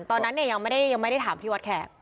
ตอนนั้นเนี่ยยังไม่ได้ถามที่วัดแขก